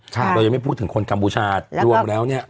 เรายังไม่พูดถึงคนกัมพูชารวมแล้วเนี่ย